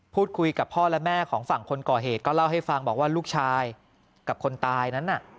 พูดคุยกับพ่อและแม่ของฝั่งคนก่อเหตุก็เล่าให้ฟังบอกว่าลูกชายกับคนตายนั้นน่ะ